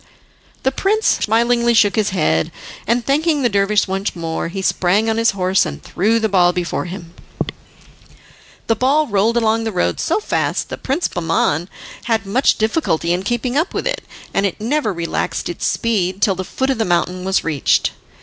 The prince smilingly shook his head, and thanking the dervish once more, he sprang on his horse and threw the ball before him. The ball rolled along the road so fast that Prince Bahman had much difficulty in keeping up with it, and it never relaxed its speed till the foot of the mountain was reached.